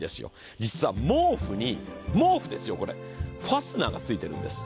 実は毛布に、毛布ですよ、これ、ファスナーがついているんですよ。